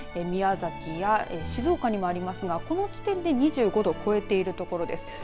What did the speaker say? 宮崎や静岡にもありますがこの時点で２５度を超えている所です。